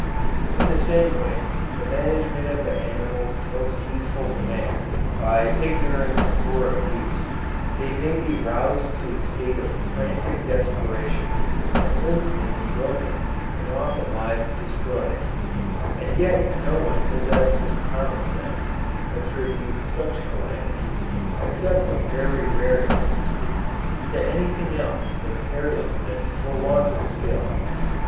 In the same way in the management of the animals most useful to man, by ignorance or abuse, they may be roused to a state of frantic desperation, and limbs may be broken, and often lives destroyed; and yet no one possessed of common sense, attributes such calamities, except in very rare instances, to any thing else than carelessness or want of skill.